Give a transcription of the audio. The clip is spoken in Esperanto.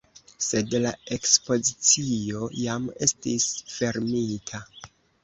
Sed la ekspozicio jam estis fermita.